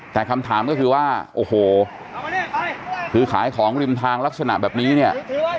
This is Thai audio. แต่คำถามก็คือว่าโอ้โหคือขายของริมทางลักษณะแบบนี้เนี่ย